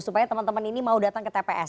supaya teman teman ini mau datang ke tps